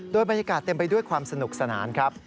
โดยบรรยากาศเต็มไปด้วยความสนุกสนานครับ